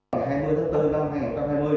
ngày hai mươi tháng bốn năm hai nghìn hai mươi